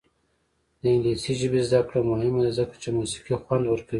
د انګلیسي ژبې زده کړه مهمه ده ځکه چې موسیقي خوند ورکوي.